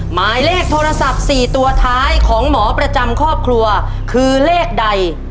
หมายเลขโทรศัพท์๔ตัวท้ายของหมอประจำครอบครัวคือเลขใด